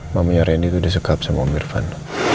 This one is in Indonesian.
mamanya rendy udah suka sama om irfan